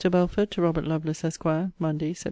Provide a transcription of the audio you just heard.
BELFORD, TO ROBERT LOVELACE, ESQ. MONDAY, SEPT.